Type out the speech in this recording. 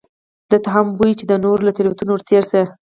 ده ته هم بویه چې د نورو له تېروتنو ورتېر شي.